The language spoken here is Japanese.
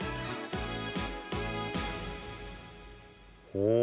お！